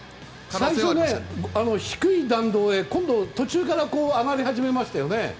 最初、低い弾道で途中から上がり始めましたよね。